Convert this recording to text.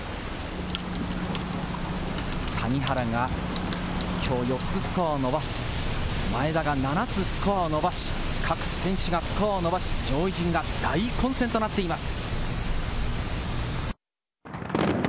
谷原がきょう４つスコアを伸ばし、前田が７つスコアを伸ばし、各選手がスコアを伸ばし、上位陣が大混戦となっています。